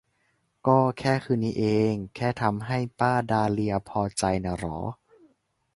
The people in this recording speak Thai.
ก็แค่คืนนี้เอง แค่ทำให้ป้าดาเลียพอใจน่ะหรอ